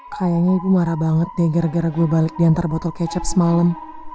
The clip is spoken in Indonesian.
kayaknya ibu marah banget deh gara gara gue balik diantar botol kecap semalam